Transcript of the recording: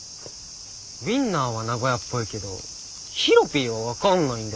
ウインナーは名古屋っぽいけどヒロピーは分かんないんだよなあ。